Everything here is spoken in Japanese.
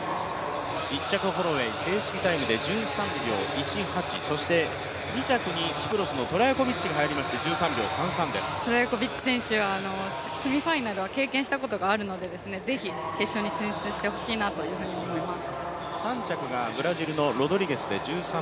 １着ホロウェイ正式タイムで１３秒１８そして２着にキプロスのトラヤコビッチ選手が入りましてトラヤコビッチ選手はセミファイナルを経験したことがあるのでぜひ決勝に進出してほしいと思います。